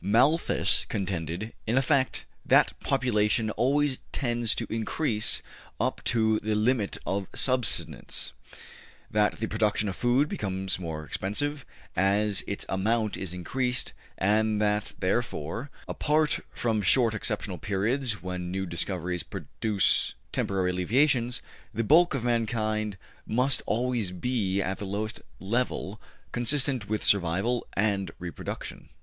Malthus contended, in effect, that population always tends to increase up to the limit of subsistence, that the production of food becomes more expensive as its amount is increased, and that therefore, apart from short exceptional periods when new discoveries produce temporary alleviations, the bulk of mankind must always be at the lowest level consistent with survival and reproduction.